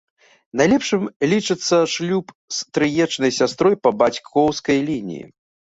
Найлепшым лічыцца шлюб з стрыечнай сястрой па бацькоўскай лініі.